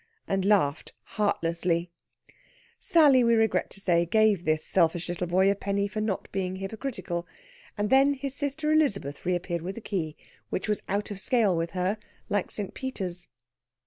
and laughed heartlessly. Sally, we regret to say, gave this selfish little boy a penny for not being hypocritical. And then his sister Elizabeth reappeared with the key, which was out of scale with her, like St. Peter's.